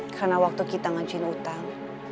karena waktu kita ngacin utang